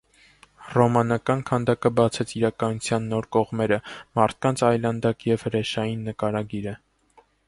Ռոմանական քանդակը բացեց իրականության նոր կողմերը՝ մարդկանց այլանդակ եւ հրեշային նկարագիրը։